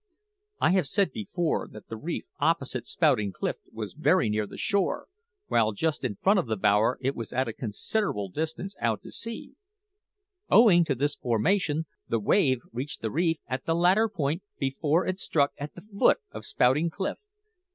I have said before that the reef opposite Spouting Cliff was very near to the shore, while just in front of the bower it was at a considerable distance out to sea. Owing to this formation, the wave reached the reef at the latter point before it struck at the foot of Spouting Cliff.